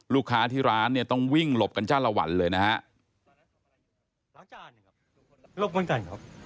ลูกค้าที่ร้านเนี่ยต้องวิ่งหลบกันจ้าละวันเลยนะฮะ